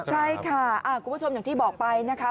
ใช่ค่ะคุณผู้ชมอย่างที่บอกไปนะคะ